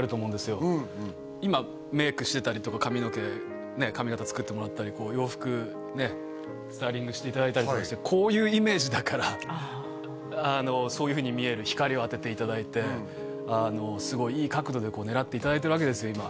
うん今メークしてたりとか髪の毛髪形つくってもらったりこう洋服スタイリングしていただいたりとかしてこういうイメージだからそういうふうに見える光を当てていただいてすごいいい角度で狙っていただいてるわけですよ